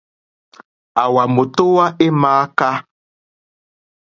Àwà mòtówá é !mááká.